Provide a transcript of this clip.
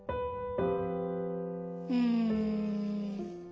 うん。